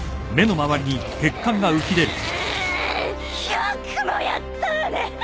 よくもやったわね！